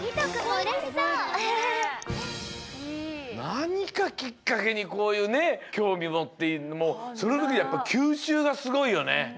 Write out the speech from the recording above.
なにかきっかけにこういうねきょうみもってそのときやっぱきゅうしゅうがすごいよね。